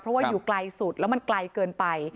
เพราะว่าอยู่ไกลสุดแล้วมันไกลเกินไป